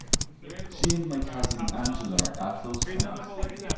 She and my Cousin Angela are close friends.